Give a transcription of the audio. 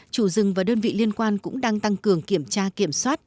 chủ rừng và đơn vị liên quan cũng đang tăng cường kiểm tra kiểm soát